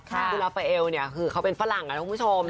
ค่ะคุณรัฟเฟอร์เอลเนี้ยคือเขาเป็นฝรั่งนะครับคุณผู้ชม